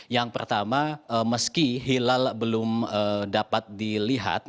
yang pertama meski hilal belum dapat dilihat